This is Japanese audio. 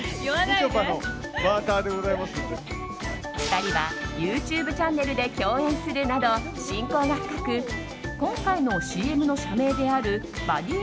２人はＹｏｕＴｕｂｅチャンネルで共演するなど親交が深く今回のＣＭの社名であるバディ